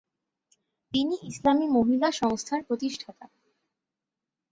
তিনি "ইসলামি মহিলা সংস্থার" প্রতিষ্ঠাতা।